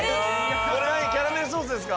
これ何キャラメルソースですか？